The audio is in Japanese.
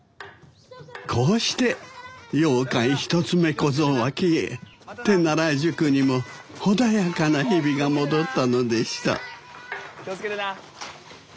こうして妖怪一つ目小僧は消え手習い塾にも穏やかな日々が戻ったのでした気を付けてな！